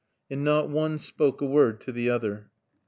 And not one spoke a word to the other.